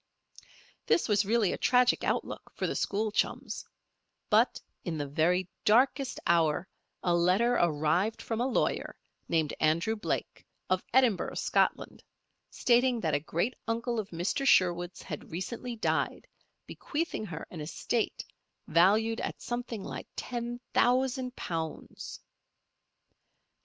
This was really a tragic outlook for the school chums; but in the very darkest hour a letter arrived from a lawyer, named Andrew Blake, of Edinburgh, Scotland, stating that a great uncle of Mrs. Sherwood's had recently died, bequeathing her an estate valued at something like ten thousand pounds.